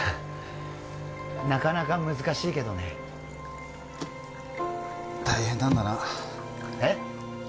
なかなか難しいけどね大変なんだなえッ？